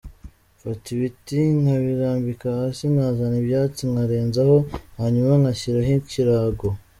Mfata ibiti nkabirambika hasi, nkazana ibyatsi nkarenzaho, hanyuma nkashyiraho ikirago.